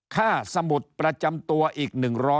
สมุดประจำตัวอีก๑๐๐